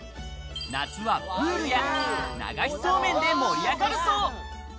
夏はプールや流しそうめんで盛り上がるそう。